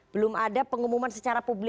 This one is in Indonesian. belum ada pengumuman secara publik